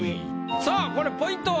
さあこれポイントは？